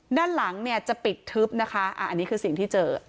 ด้านหลังเนี่ยจะปิดทึบนะคะอันนี้คือสิ่งที่เจอ